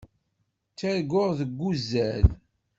Ttarguɣ deg uzal.